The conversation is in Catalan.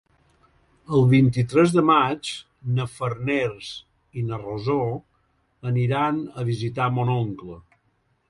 El vint-i-tres de maig na Farners i na Rosó aniran a visitar mon oncle.